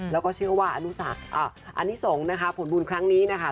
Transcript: แล้วก็เชื่อว่าอันนี้สงฆ์นะคะผลบุญครั้งนี้นะคะ